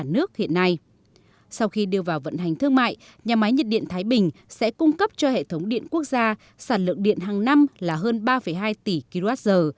nhà máy nhiệt điện thái bình sẽ cung cấp cho hệ thống điện quốc gia sản lượng điện hàng năm là hơn ba hai tỷ kwh